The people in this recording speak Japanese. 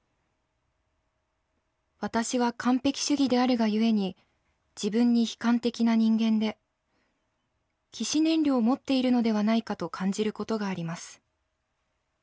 私は完璧主義であるが故に自分に悲観的な人間で希死念慮を持っているのではないかと感じることがあります。